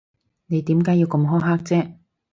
你點解要咁苛刻啫？